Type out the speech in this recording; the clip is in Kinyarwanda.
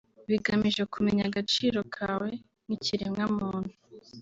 bigamije kumenya agaciro kawe nk’ikiremwamuntu